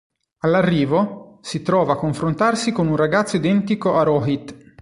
All'arrivo, si trova a confrontarsi con un ragazzo identico a Rohit.